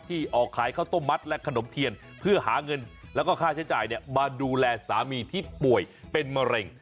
ออกขายข้าวต้มมัดและขนมเทียนเพื่อหาเงินแล้วก็ค่าใช้จ่ายมาดูแลสามีที่ป่วยเป็นมะเร็ง